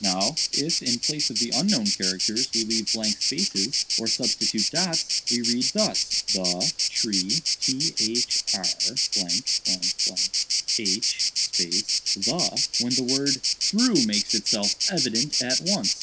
"Now, if, in place of the unknown characters, we leave blank spaces, or substitute dots, we read thus: the tree thr...h the, when the word 'through' makes itself evident at once.